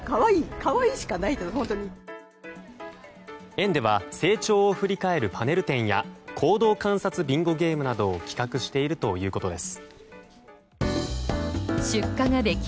園では成長を振り返るパネル展や行動観察ビンゴゲームなどを企画しているということです。